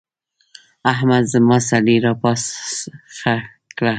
احمد زما سږي راپاخه کړل.